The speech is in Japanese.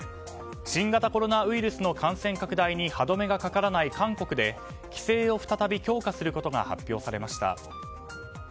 新型コロナウイルスの感染拡大に歯止めがかからない韓国で、規制を再び強化することが発表されました。